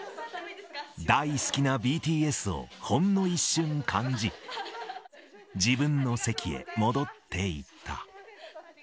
大好きなＢＴＳをほんの一瞬感じ、自分の席へ戻っていった。